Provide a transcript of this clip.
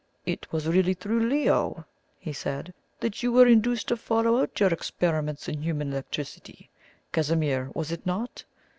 "It was really through Leo," he said, "that you were induced to follow out your experiments in human electricity, Casimir, was it not?"